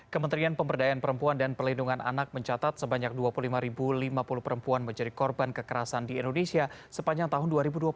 kementerian pemberdayaan perempuan dan pelindungan anak mencatat sebanyak dua puluh lima lima puluh perempuan menjadi korban kekerasan di indonesia sepanjang tahun dua ribu dua puluh satu